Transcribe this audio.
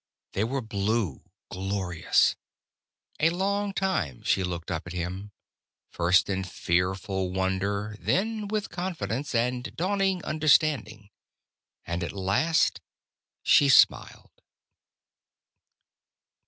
They were blue, glorious. A long time she looked up at him, first in fearful wonder, then with confidence, and dawning understanding. And at last she smiled.